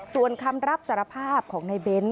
ส่วนคำรับสารภาพของนายเบนส์